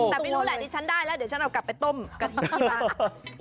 แต่ไม่รู้แหละดิฉันได้แล้วเดี๋ยวฉันเอากลับไปต้มกะทิที่บ้าน